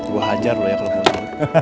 gue hajar lo ya kalau gak mau